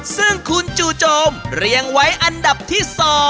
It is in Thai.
ซึ่งคุณจู่โจมเรียงไว้อันดับที่๒